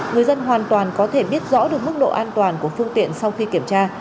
người dân hoàn toàn có thể biết rõ được mức độ an toàn của phương tiện sau khi kiểm tra